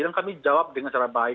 yang kami jawab dengan baik